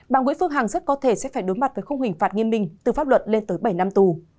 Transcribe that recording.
bà nguyễn phương hằng rất có thể sẽ phải đối mặt với khung hình phạt nghiêm minh từ pháp luận lên tới bảy năm tù